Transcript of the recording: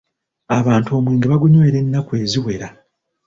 Abantu omwenge baagunywera ennaku eziwera.